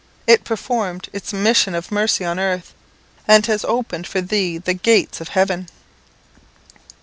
It performed its mission of mercy on earth, and has opened for thee the gates of heaven.